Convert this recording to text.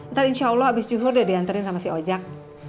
ntar insya allah abis juhur udah di anterin sama si ojak